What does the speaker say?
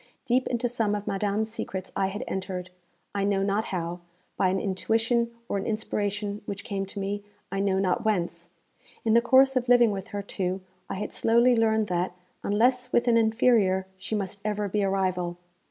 Deep into some of madame's secrets I had entered, I know not how by an intuition or an inspiration which came to me, I know not whence. In the course of living with her, too, I had slowly learned that, unless with an inferior, she must ever be a rival.